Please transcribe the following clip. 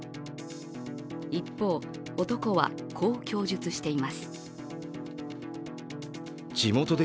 一方、男はこう供述しています。